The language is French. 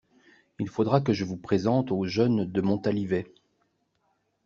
Il faudra que je vous présente au jeune de Montalivet.